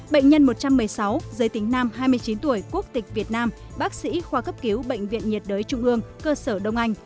bệnh nhân một trăm một mươi sáu giới tính nam hai mươi chín tuổi quốc tịch việt nam bác sĩ khoa cấp cứu bệnh viện nhiệt đới trung ương cơ sở đông anh